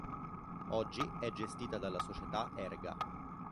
Oggi è gestita dalla società Erga.